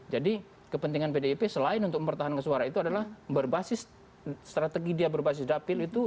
jadi kepentingan pdip selain untuk mempertahankan suara itu adalah berbasis strategi dia berbasis dapil itu